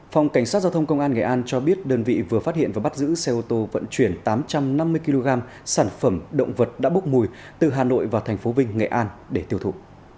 phòng cảnh sát giao thông công an nghệ an cho biết đơn vị vừa phát hiện và bắt giữ xe ô tô vận chuyển tám trăm năm mươi kg sản phẩm động vật đã bốc mùi từ hà nội vào thành phố vinh nghệ an để tiêu thụ